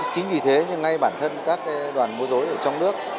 chính vì thế ngay bản thân các đoàn mô dối ở trong nước